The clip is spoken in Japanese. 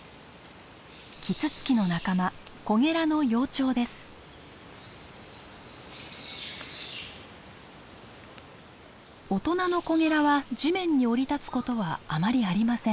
キツツキの仲間大人のコゲラは地面に降り立つことはあまりありません。